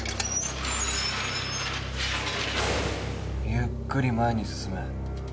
ゆっくり前に進め。